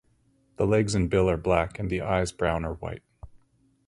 The legs and bill are black and the eyes brown or white.